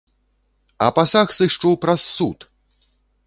А пасаг сышчу праз суд!